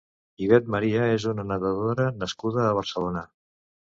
Ivette María és una nedadora nascuda a Barcelona.